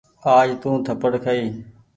آج تونٚ ٿپڙ کآئي ۔